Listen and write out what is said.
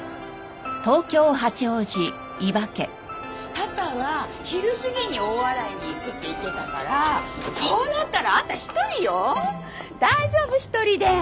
パパは昼過ぎに大洗に行くって言ってたからそうなったらあんた１人よ。